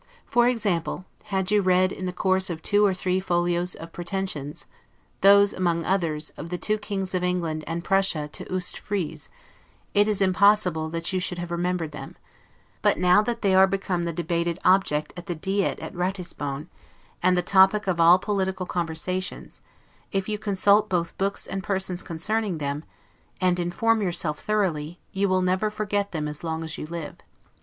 For example, had you read, in the course of two or three folios of Pretensions, those, among others, of the two Kings of England and Prussia to Oost Frise, it is impossible, that you should have remembered them; but now, that they are become the debated object at the Diet at Ratisbon, and the topic of all political conversations, if you consult both books and persons concerning them, and inform yourself thoroughly, you will never forget them as long as you live.